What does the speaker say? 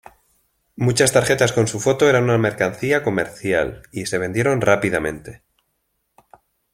Muchas tarjetas con su foto eran una mercancía comercial, y se vendieron rápidamente.